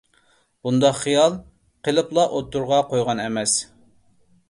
مۇنداق خىيال قىلىپلا ئوتتۇرىغا قويغان ئەمەس.